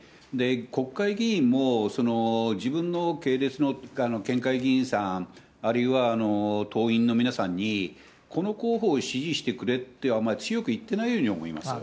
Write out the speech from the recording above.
国会議員も自分の系列の県会議員さん、あるいは党員の皆さんに、この候補を支持してくれってあんまり強く言ってないように思います。